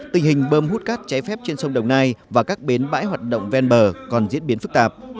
tình hình bơm hút cát trái phép trên sông đồng nai và các bến bãi hoạt động ven bờ còn diễn biến phức tạp